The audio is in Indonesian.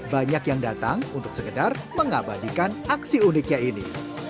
banyak yang datang untuk sekedar mengabadikan aksi uniknya ini